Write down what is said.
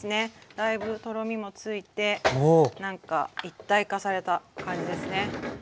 だいぶとろみもついてなんか一体化された感じですね。